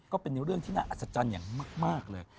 ก็เป็นเรื่องที่น่าอัศจรันท์มากเลย